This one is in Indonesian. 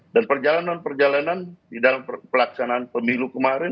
dan perjalanan perjalanan di dalam pelaksanaan pemilu kemarin